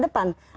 dan masa depan